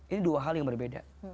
ini dua hal yang berbeda